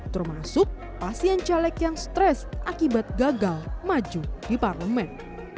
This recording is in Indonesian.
termasuk pasien caleg yang stres akibat gagal maju di parlemen